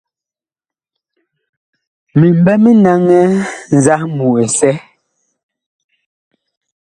Mi mɓɛ mi naŋɛ nzahmu ɛsɛ.